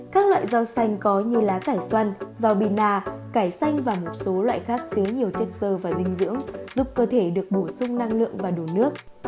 các loại rau xanh có như lá cải xoăn rau bina cải xanh và một số loại khác chứa nhiều chất dơ và dinh dưỡng giúp cơ thể được bổ sung năng lượng và đủ nước